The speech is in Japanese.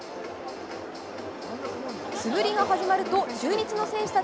素振りが始まると、中日の選手た